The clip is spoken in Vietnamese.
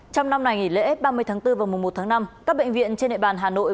trong năm này lễ ba mươi tháng bốn và một tháng năm các bệnh viện trên hệ bàn hà nội